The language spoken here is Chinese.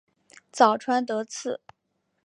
早川德次